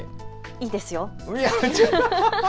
いいですよ。